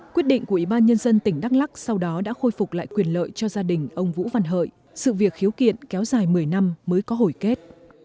quyết định của ủy ban nhân dân tỉnh đắk lắc sau đó đã khôi phục lại quyền lợi cho gia đình ông vũ văn hợi sự việc khiếu kiện kéo dài một mươi năm mới có hồi kết